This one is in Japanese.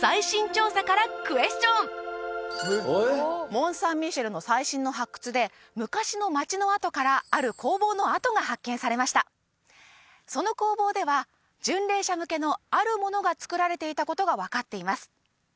モン・サン・ミシェルの最新の発掘で昔の町の跡からある工房の跡が発見されましたその工房では巡礼者向けのあるものがつくられていたことが分かっています